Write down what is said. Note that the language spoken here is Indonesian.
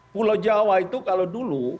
pulau jawa itu kalau dulu